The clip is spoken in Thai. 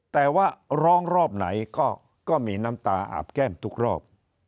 แต่ว่าร้องรอบไหนก็มีน้ำตาอาบแก้มทุกรอบ